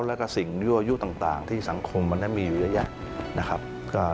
และก็สิ่งนิวอายุต่างที่สังคมมันจะมีอยู่อย่างยักษ์